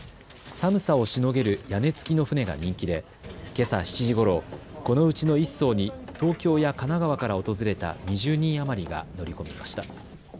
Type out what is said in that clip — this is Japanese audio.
寒さをしのげる屋根付きの船が人気でけさ７時ごろこのうちの１そうに東京や神奈川から訪れた２０人余りが乗り込みました。